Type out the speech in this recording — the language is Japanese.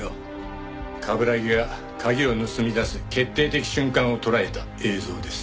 冠城が鍵を盗み出す決定的瞬間を捉えた映像です。